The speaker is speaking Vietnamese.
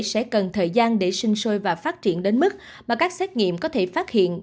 sẽ cần thời gian để sinh sôi và phát triển đến mức mà các xét nghiệm có thể phát hiện